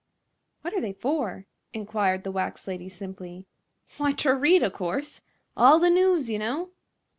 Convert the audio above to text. "What are they for?" inquired the wax lady, simply. "W'y, ter read, o' course. All the news, you know."